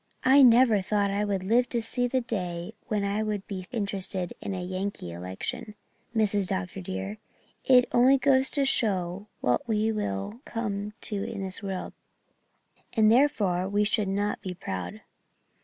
"I never thought I would live to see the day when I would be interested in a Yankee election, Mrs. Dr. dear. It only goes to show we can never know what we will come to in this world, and therefore we should not be proud."